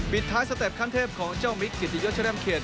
ปิดท้ายสเต็ปขั้นเทพของเจ้ามิคกิติยศแร่มเขต